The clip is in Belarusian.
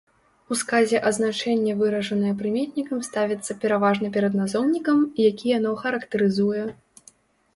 У сказе азначэнне выражанае прыметнікам ставіцца пераважна перад назоўнікам, які яно характарызуе.